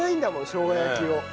しょうが焼きを。